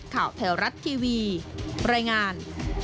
ข่าวแถวรัฐทีวีรายงาน